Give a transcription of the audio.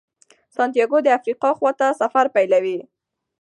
سانتیاګو د افریقا خواته سفر پیلوي.